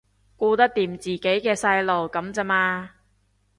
顧得掂自己嘅細路噉咋嘛